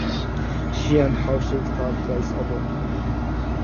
She earned herself third place overall.